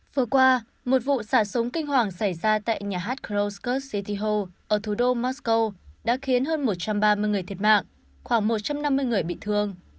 vừa qua một vụ xả súng kinh hoàng xảy ra tại nhà hát kroscus city hall ở thủ đô mosco đã khiến hơn một trăm ba mươi người thiệt mạng khoảng một trăm năm mươi người bị thương